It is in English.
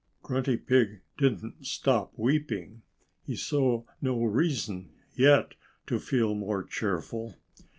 Grunty Pig didn't stop weeping. He saw no reason yet to feel more cheerful.